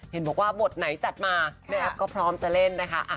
เห็นบอกว่าบทไหนจัดมาแม่แอฟก็พร้อมจะเล่นนะคะ